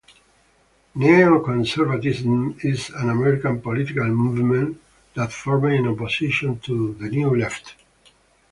Neoconservatism is an American political movement that formed in opposition to the New Left.